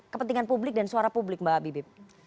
kepentingan publik dan suara publik mbak bibip